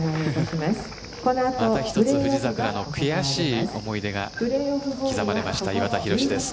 また１つ富士桜の悔しい思い出が刻まれました岩田寛です。